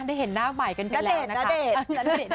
ได้เห็นหน้าใบกันไปแล้วนะคะ